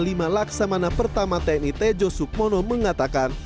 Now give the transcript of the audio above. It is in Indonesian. di mana pertama tni tejo sukmono mengatakan